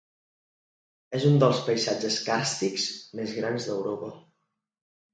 És un dels paisatges càrstics més grans d'Europa.